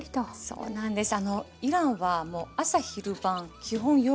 そうなんですよ。